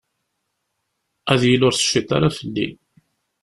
Ad yili ur tecfiḍ ara fell-i.